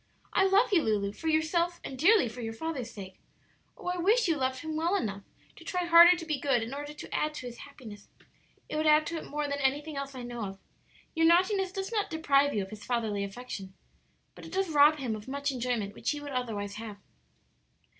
I love you, Lulu, for yourself, and dearly for your father's sake. Oh, I wish you loved him well enough to try harder to be good in order to add to his happiness; it would add to it more than anything else that I know of. Your naughtiness does not deprive you of his fatherly affection, but it does rob him of much enjoyment which he would otherwise have."